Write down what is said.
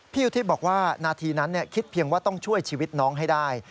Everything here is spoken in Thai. อุทิศบอกว่านาทีนั้นคิดเพียงว่าต้องช่วยชีวิตน้องให้ได้